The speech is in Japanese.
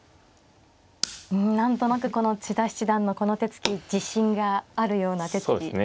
うん何となくこの千田七段のこの手つき自信があるような手つきでした。